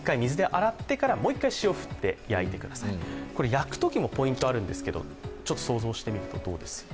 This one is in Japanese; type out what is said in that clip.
焼くときのポイントがあるんですけど、想像してみるとどうですか？